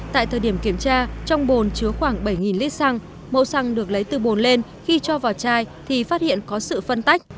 tại thời điểm kiểm tra trong bồn chứa khoảng bảy lít xăng màu xăng được lấy từ bồn lên khi cho vào chai thì phát hiện có sự phân tách